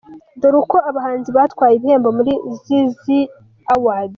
Dore uko abahanzi batwaye ibihembo muri Zzina Awards:.